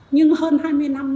nhưng hơn hai mươi năm